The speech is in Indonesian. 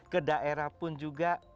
ke daerah pun juga